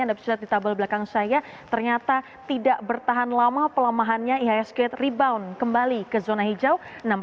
anda bisa lihat di tabel belakang saya ternyata tidak bertahan lama pelemahannya ihsg rebound kembali ke zona hijau enam dua ratus tujuh puluh empat